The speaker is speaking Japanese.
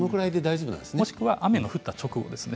もしくは雨の降った直後ですね